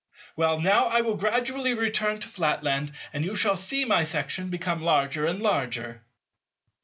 Well, now I will gradually return to Flatland and you shall see my section become larger and larger."